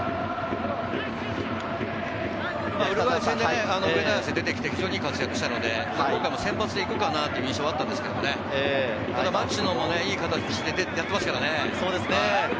ウルグアイ戦で上田綺世が出てきて、非常にいい活躍したので、今回は先発で行くかなと思ったんですけど、町野もいい形でやっていますね。